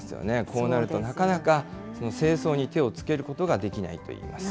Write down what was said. こうなると、なかなか清掃に手をつけることができないといいます。